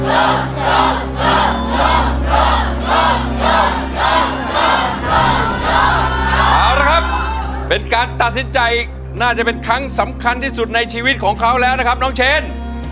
เอาละครับเป็นการตัดสินใจน่าจะเป็นครั้งสำคัญที่สุดในชีวิตของเขาแล้วนะครับน้องเชน